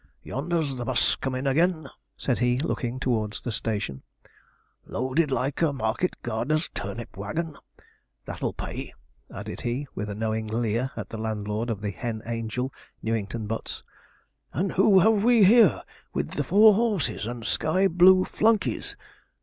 'Yonder's the 'bus comin' again,' said he, looking towards the station, 'loaded like a market gardener's turnip waggon. That'll pay,' added he, with a knowing leer at the landlord of the Hen Angel, Newington Butts. 'And who have we here, with the four horses and sky blue flunkeys?